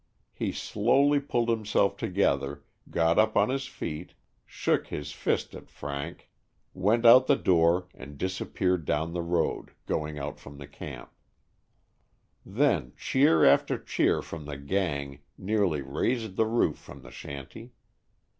He slowly pulled himself together, got up on his feet, • shook his fist at Frank, went out the 113 Stories from the Adirondacks. door and disappeared down the road going out from the camp. Then cheer after cheer from the "gang" nearly raised the roof from the shanty.